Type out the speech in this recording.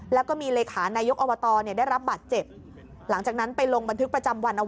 แล้วก็มีเลขานายกอบตเนี่ยได้รับบาดเจ็บหลังจากนั้นไปลงบันทึกประจำวันเอาไว้